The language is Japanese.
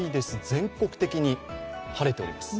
全国的に晴れております。